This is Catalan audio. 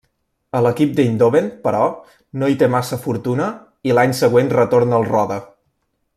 A l'equip d'Eindhoven, però, no hi té massa fortuna i l'any següent retorna al Roda.